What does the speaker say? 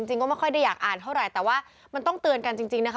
ก็ไม่ค่อยได้อยากอ่านเท่าไหร่แต่ว่ามันต้องเตือนกันจริงนะคะ